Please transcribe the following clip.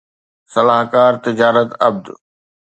صلاحڪار تجارت عبد